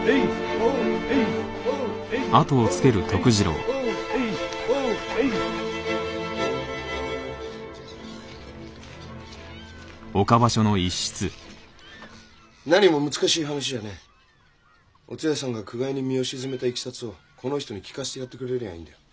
おつやさんが苦界に身を沈めたいきさつをこの人に聞かせてやってくれりゃいいんだよ。